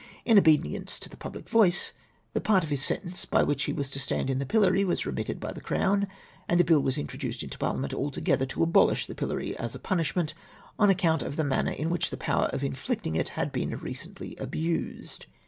In obedience to the public voice, the part of his sentence by which he was to stand in the pillory was remitted by the Crown, and a bill was introduced into Parliament altogether to abolish the pillory as a punishment, on account of the manner in luhich the poiuer of inflicting it had been recently abused.